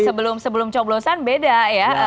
sebelum coblosan beda ya